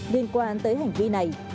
liên quan tới hành vi này